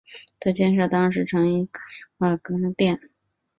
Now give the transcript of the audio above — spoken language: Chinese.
在建设当时成巽阁名为巽御殿。